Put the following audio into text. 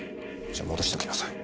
じゃ戻してきなさい。